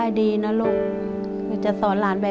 พี่น้องของหนูก็ช่วยย่าทำงานค่ะ